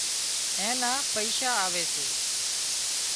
اين نا پئيشا آوي سي